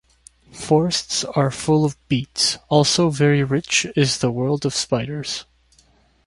Forests are full of beets, also very rich is the world of spiders.